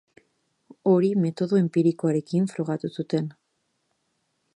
Hori metodo enpirikoarekin frogatu zuten.